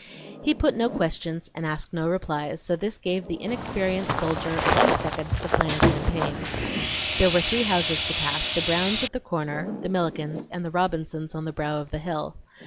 He put no questions, and asked no replies, so this gave the inexperienced soldier a few seconds to plan a campaign. There were three houses to pass; the Browns' at the corner, the Millikens', and the Robinsons' on the brow of the hill.